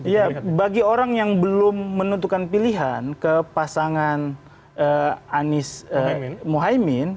ya bagi orang yang belum menentukan pilihan ke pasangan anies mohaimin